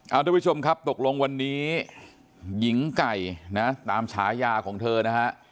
เอาทุกผู้ชมครับตกลงวันนี้หญิงไก่นะตามฉายาของเธอนะฮะ